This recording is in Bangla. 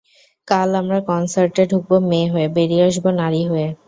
কাল, আমরা কনসার্টে ঢুকব মেয়ে হয়ে, বেরিয়ে আসব নারী হয়ে।